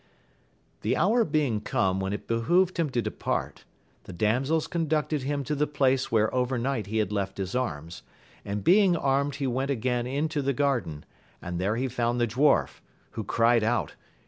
The hour being come when it behoved him to de part, the damsels conducted him to the place where overnight he had left his arms : and being armed he went again into the garden, and there he found the dwarf, who cried out.